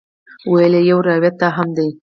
ویل یې یو روایت دا هم دی.